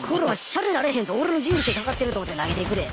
シャレになれへんぞ俺の人生懸かってると思って投げてくれ。